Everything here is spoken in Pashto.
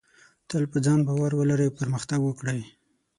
تل په ځان باور ولرئ او پرمختګ وکړئ.